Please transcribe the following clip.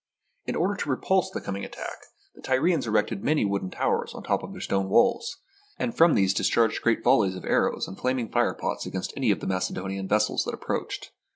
In order to repulse the coming attack, the Tyri ans erected many wooden towers on top of their stone walls, and from these discharged great vol leys of arrows and flaming firepots against any of the Macedonian vessels that approached.